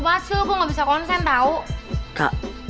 masuk nggak bisa konsen tahu tak